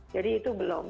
jadi itu belum